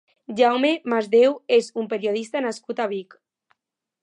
Jaume Masdeu és un periodista nascut a Vic.